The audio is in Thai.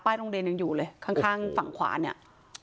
โรงเรียนยังอยู่เลยข้างฝั่งขวาเนี่ย